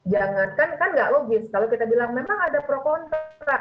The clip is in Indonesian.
jangankan kan nggak logis kalau kita bilang memang ada pro kontra